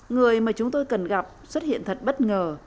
người mà chúng tôi cần gặp xuất hiện thật bất ngờ